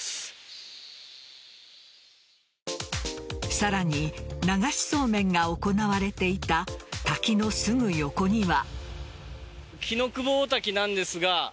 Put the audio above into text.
さらに流しそうめんが行われていた滝のすぐ横には。